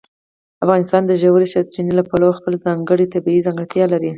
افغانستان د ژورې سرچینې له پلوه خپله ځانګړې طبیعي ځانګړتیا لري.